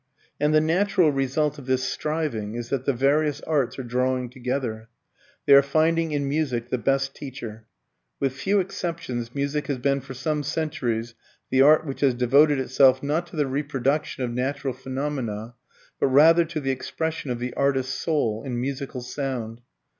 And the natural result of this striving is that the various arts are drawing together. They are finding in Music the best teacher. With few exceptions music has been for some centuries the art which has devoted itself not to the reproduction of natural phenomena, but rather to the expression of the artist's soul, in musical sound.